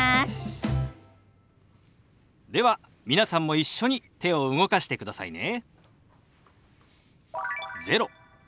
では皆さんも一緒に手を動かしてくださいね。